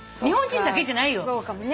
日本人だけじゃないよ。